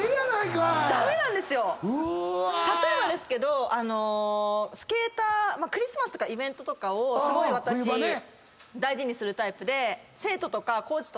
例えばですけどスケータークリスマスとかイベントとかをすごい私大事にするタイプで。